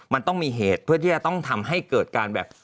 มันต้องมีเหตุเพื่อที่จะต้องทำให้เกิดการแบบ